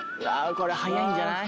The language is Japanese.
これ速いんじゃない？